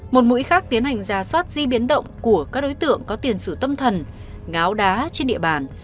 một mũi khác tiến hành giả soát di biến động của các đối tượng có tiền sử tâm thần ngáo đá trên địa bàn